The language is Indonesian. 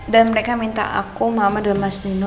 dan mereka minta aku mama dan mas nino